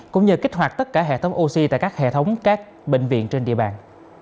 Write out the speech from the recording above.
cũng như kích hoạt tất cả hệ thống oxy tại các hệ thống các bệnh viện trên địa bàn